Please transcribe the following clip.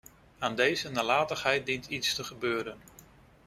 Aan deze nalatigheid dient iets te gebeuren.